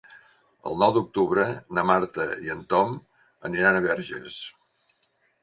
El nou d'octubre na Marta i en Tom aniran a Verges.